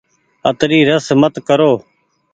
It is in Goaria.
اتري رس مت ڪرو۔